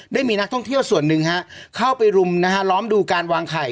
ได้มีนักท่องเที่ยวส่วนหนึ่งเข้าไปรุมล้อมดูการวางไข่